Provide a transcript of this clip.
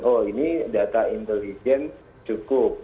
oh ini data intelijen cukup